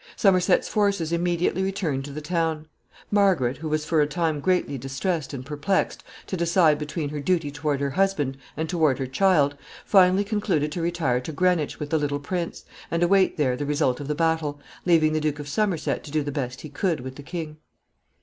Somerset's forces immediately returned to the town. Margaret, who was for a time greatly distressed and perplexed to decide between her duty toward her husband and toward her child, finally concluded to retire to Greenwich with the little prince, and await there the result of the battle, leaving the Duke of Somerset to do the best he could with the king.